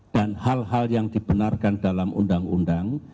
dan hal hal yang dibenarkan dalam undang undang